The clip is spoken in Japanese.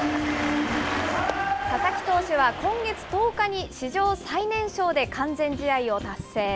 佐々木投手は、今月１０日に史上最年少で完全試合を達成。